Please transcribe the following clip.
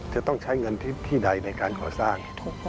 จะต้องใช้เงินที่ใดในการก่อสร้าง